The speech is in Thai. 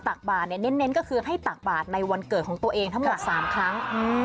บาดเนี่ยเน้นก็คือให้ตักบาทในวันเกิดของตัวเองทั้งหมด๓ครั้ง